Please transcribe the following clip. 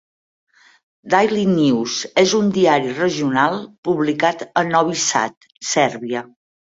"Daily News", és un diari regional, publicat a Novi Sad, Sèrbia.